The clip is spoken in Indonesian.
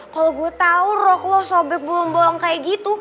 kalau gue tahu roh lo sobek bolong bolong kayak gitu